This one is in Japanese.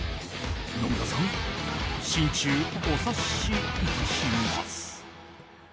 野村さん心中お察しいたします。